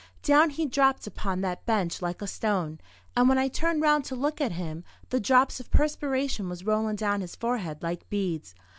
Down he dropped upon that bench like a stone; and when I turned round to look at him the drops of perspiration was rollin' down his forehead like beads.